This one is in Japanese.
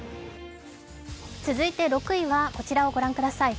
続いて６位は、こちらをご覧ください。